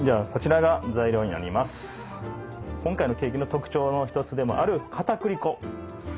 今回のケーキの特徴の一つでもあるかたくり粉。